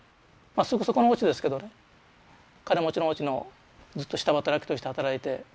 すぐそこのおうちですけどね金持ちのおうちのずっと下働きとして働いて。